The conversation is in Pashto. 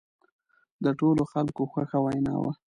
د ټولو خلکو خوښه وینا وه.